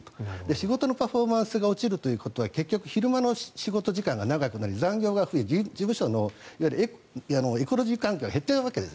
仕事のパフォーマンスが落ちるということは結局、昼間の仕事時間が長くなり残業が増えてエコロジー環境が減っていくわけです。